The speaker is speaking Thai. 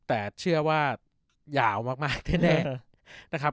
แต่เชื่อว่ายาวมากแน่นะครับ